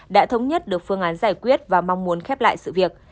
đã thống nhất được phương án giải quyết và mong muốn khép lại sự việc